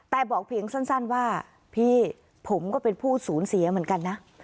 แต่บอกเพียงสั้นว่าพี่ผมก็เป็นผู้สูญเสียเหมือนกันนะ